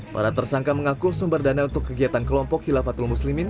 para tersangka mengaku sumber dana untuk kegiatan kelompok khilafatul muslimin